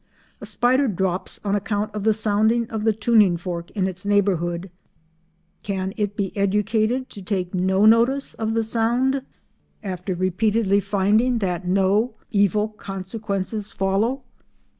A spider drops on account of the sounding of the tuning fork in its neighbourhood; can it be educated to take no notice of the sound after repeatedly finding that no evil consequences follow?